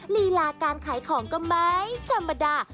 ฬีลาการขายของก็ไม่ชามมัด่า